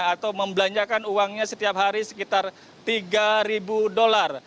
atau membelanjakan uangnya setiap hari sekitar tiga dolar